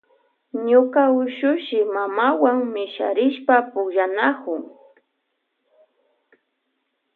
Ñuka ushushi mamawan misharishpa pukllanakun.